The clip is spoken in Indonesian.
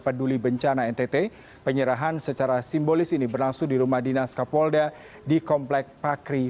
peduli bencana ntt penyerahan secara simbolis ini berlangsung di rumah dinas kapolda di komplek pakri